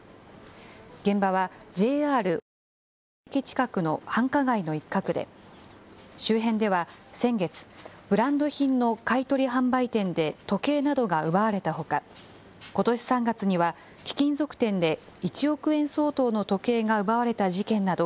現場はＪＲ御徒町駅近くの繁華街の一角で、周辺では先月、ブランド品の買い取り販売店で時計などが奪われたほか、ことし３月には、貴金属店で１億円相当の時計が奪われた事件など、